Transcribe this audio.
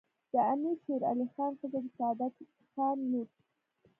د امیر شیرعلي خان ښځه د سعادت خان لور